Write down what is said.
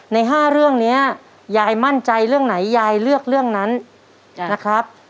ใน๕เรื่องนี้ยายมั่นใจเรื่องไหนยายเลือกเรื่องนั้นนะครับ